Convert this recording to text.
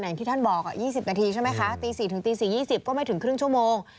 อย่างที่ท่านบอก๒๐นาทีใช่ไหมคะตี๔ถึงตี๔๒๐ก็ไม่ถึงครึ่งชั่วโมง